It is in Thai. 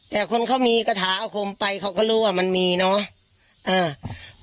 แต่คนเขามีกระถาอาคมไปเขาก็รู้ว่ามันมีเนอะ